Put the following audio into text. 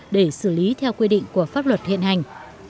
để xử lý theo quy định của pháp luật hiện hành